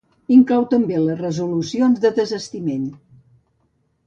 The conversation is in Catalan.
Inclou també les resolucions de desistiment.